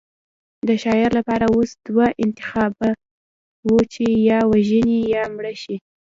د شاعر لپاره اوس دوه انتخابه وو چې یا ووژني یا مړ شي